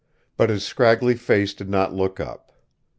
But his scraggly face did not look up.